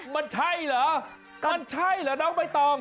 มันใช่เหรอมันใช่เหรอน้องใบตอง